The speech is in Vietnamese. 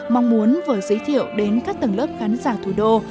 mong muốn vở giới thiệu đến các tầng lớp khán giả thủ đô